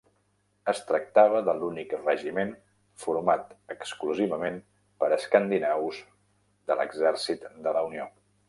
Es tractava de l'únic regiment format exclusivament per escandinaus de l'exèrcit de la Unió.